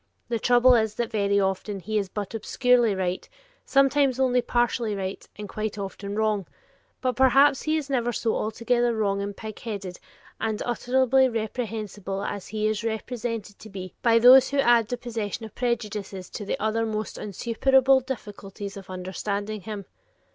The trouble is that very often he is but obscurely right, sometimes only partially right, and often quite wrong; but perhaps he is never so altogether wrong and pig headed and utterly reprehensible as he is represented to be by those who add the possession of prejudices to the other almost insuperable difficulties of understanding him.